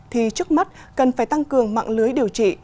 thì trước mắt cần phải tăng cường mạng lưới điều trị